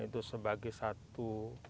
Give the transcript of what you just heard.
itu sebagai satu